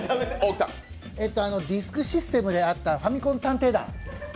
ディスクシステムであったファミコン探偵団。